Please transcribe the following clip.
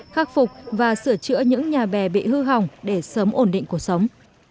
khắc phục và sửa chữa những nhà bè bị hư hỏng để sớm ổn định cuộc sống